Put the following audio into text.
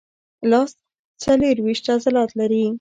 لاس څلورویشت عضلات لري.